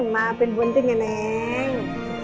maafin buntin ya neng